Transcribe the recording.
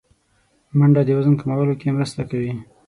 منډه د وزن کمولو کې مرسته کوي